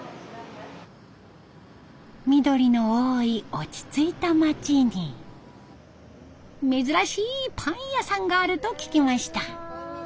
緑の多い落ち着いた町に珍しいパン屋さんがあると聞きました。